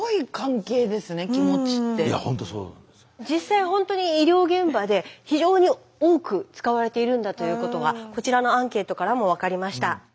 実際ほんとに医療現場で非常に多く使われているんだということはこちらのアンケートからも分かりました。